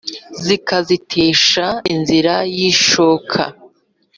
zikazitesha inzira y’ishoka